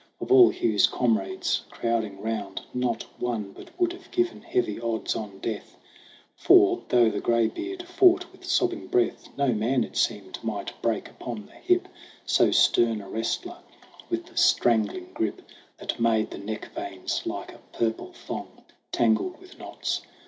Of all Hugh's comrades crowding round, not one But would have given heavy odds on Death ; For, though the graybeard fought with sobbing breath, No man, it seemed, might break upon the hip So stern a wrestler with the strangling grip That made the neck veins like a purple thong Tangled with knots.